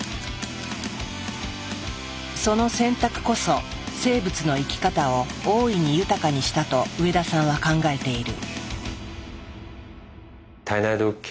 その選択こそ生物の生き方を大いに豊かにしたと上田さんは考えている。